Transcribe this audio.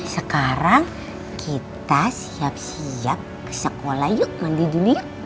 sekarang kita siap siap ke sekolah yuk mandi dulu